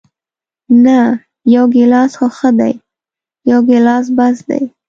نه، یو ګیلاس خو ښه دی، یو ګیلاس بس دی.